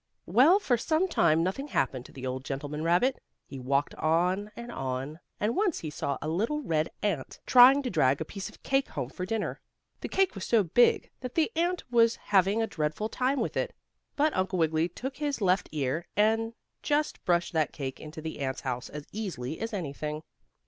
Well, for some time nothing happened to the old gentleman rabbit. He walked on and on, and once he saw a little red ant, trying to drag a piece of cake home for dinner. The cake was so big that the ant was having a dreadful time with it, but Uncle Wiggily took his left ear, and just brushed that cake into the ant's house as easily as anything.